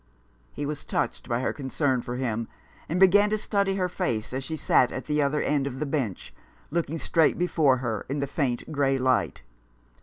He was touched by her con cern for him, and began to study her face as she sat at the other end of the bench, looking straight before her in the faint grey light.